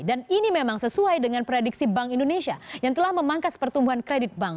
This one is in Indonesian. dan ini memang sesuai dengan prediksi bank indonesia yang telah memangkas pertumbuhan kredit bank